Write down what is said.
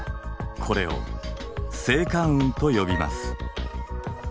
これを星間雲と呼びます。